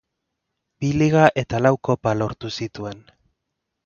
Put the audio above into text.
Bi liga eta lau kopa lortu zituen.